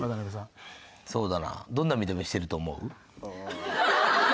そうだなどんな見た目してると思う？